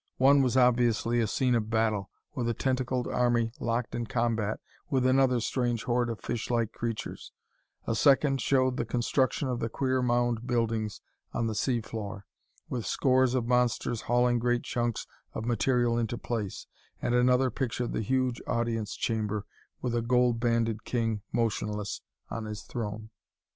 One was obviously a scene of battle, with a tentacled army locked in combat with another strange horde of fishlike creatures; a second showed the construction of the queer mound buildings on the sea floor, with scores of monsters hauling great chunks of material into place, and another pictured the huge audience chamber, with a gold banded king motionless on his throne.